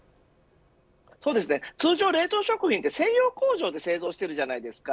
そうですね、通常、冷凍食品は専用工場で製造してるじゃないですか。